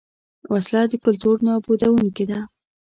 وسله د کلتور نابودوونکې ده